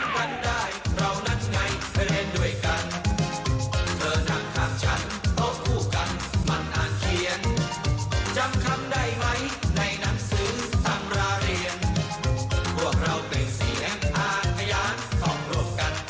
พวกเรากลายสีหางห้าขนายางของรูปกัน